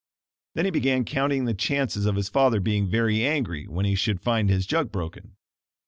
Then he began counting the chances of his father being very angry when he should find his jug broken.